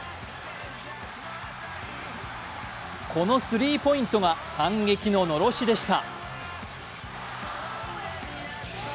このスリーポイントが反撃ののろしでした。